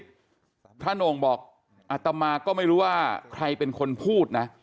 พระโหน่งบอกอัตมาก็ไม่รู้ว่าใครเป็นคนพูดนะ